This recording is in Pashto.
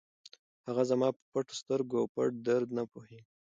هغه زما په پټو سترګو او پټ درد نه پوهېږي.